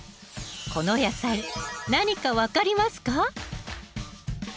この野菜何か分かりますか？